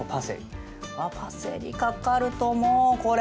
ああパセリかかるともうこれ！